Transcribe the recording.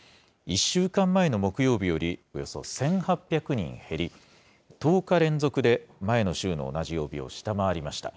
１週間前の木曜日よりおよそ１８００人減り、１０日連続で前の週の同じ曜日を下回りました。